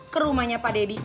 ke rumahnya pak deddy